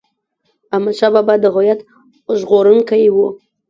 احمد شاه بابا د هویت ژغورونکی و.